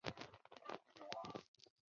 佐藤大是一位日本足球选手。